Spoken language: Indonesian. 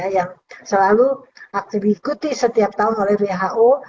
yang selalu diikuti setiap tahun oleh who